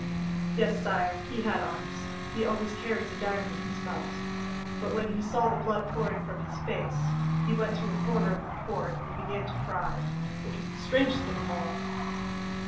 'Yes, sire, he had arms; he always carries a dagger in his belt. But when he saw the blood pouring from his face, he went to a corner of the court and began to cry, which was the strangest thing of all.